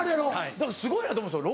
だからすごいなと思うんですよ